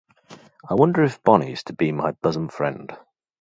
I wonder if Bonnie is to be my bosom friend.